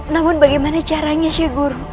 namun bagaimana caranya sheikh guru